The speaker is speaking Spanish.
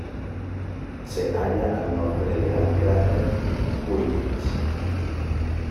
Se halla al norte del gran cráter Huygens.